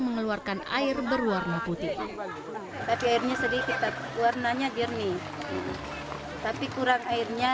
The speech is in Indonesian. mengeluarkan air berwarna putih tapi airnya sedikit tapi warnanya jernih tapi kurang airnya